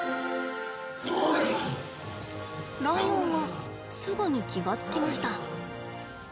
ライオンはすぐに気が付きました。